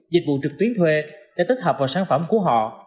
dịch vụ trực tuyến thuê để tích hợp vào sản phẩm của họ